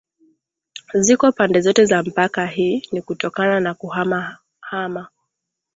Ziko pande zote za mpaka hii ni kutokana na kuhama hama